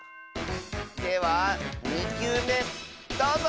では２きゅうめどうぞ！